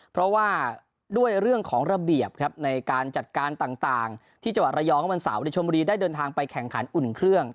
เพราะว่าด้วยเรื่องของระเบียบครับในการจัดการต่างที่จังหวัดระยองวันเสาร์ชมบุรีได้เดินทางไปแข่งขันอุ่นเครื่อง